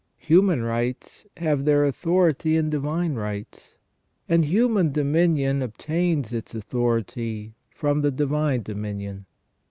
Human rights have their authority in divine rights, and human dominion obtains its authority from the divine dominion.